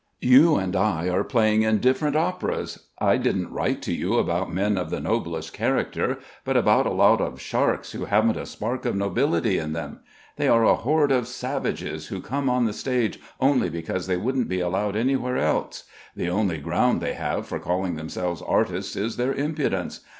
"You and I are playing in different operas. I didn't write to you about men of the noblest character, but about a lot of sharks who haven't a spark of nobility in them. They are a horde of savages who came on the stage only because they wouldn't be allowed anywhere else. The only ground they have for calling themselves artists is their impudence.